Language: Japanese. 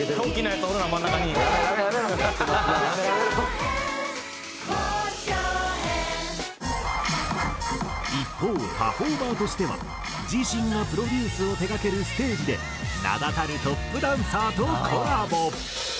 やめろやめろ」一方パフォーマーとしては自身がプロデュースを手がけるステージで名だたるトップダンサーとコラボ。